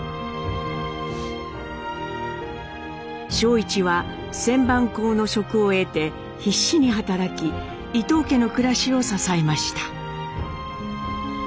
正一は旋盤工の職を得て必死に働き伊藤家の暮らしを支えました。